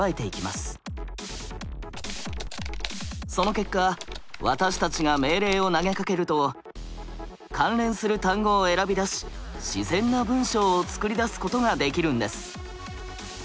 その結果私たちが命令を投げかけると関連する単語を選び出し自然な文章を作り出すことができるんです。